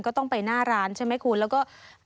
ก็ต้องไปหน้าร้านใช่ไหมคุณแล้วก็